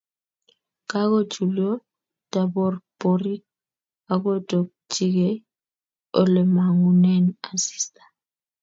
Kakochulyo taborborik agotokchige olemangunen asista